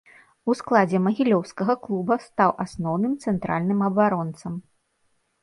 У складзе магілёўскага клуба стаў асноўным цэнтральным абаронцам.